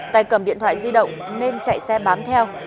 tài cầm điện thoại di động nên chạy xe bám theo